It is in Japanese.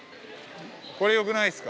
これよくないっすか？